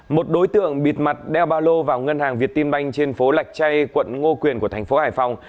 một đối tượng bịt mặt đeo ba lô vào ngân hàng việt tim banh trên phố lạch chay quận ngô quyền của thành phố hải phòng